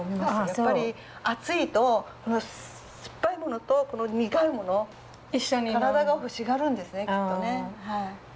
やっぱり暑いと酸っぱいものと苦いもの体が欲しがるんですねきっとね。